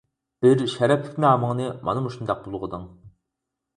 بىر شەرەپلىك نامىڭنى، مانا شۇنداق بۇلغىدىڭ!